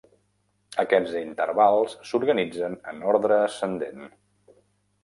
Aquests intervals s'organitzen en ordre ascendent.